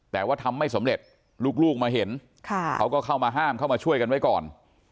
แต่ว่าทำไม่สำเร็จลูกมาเห็นเขาก็เข้ามาห้ามเข้ามาช่วยกันไว้ก่อน